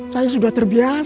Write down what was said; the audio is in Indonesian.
saya sudah terbiasa